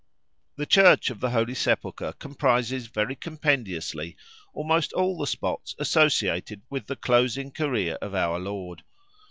The Church of the Holy Sepulchre comprises very compendiously almost all the spots associated with the closing career of our Lord.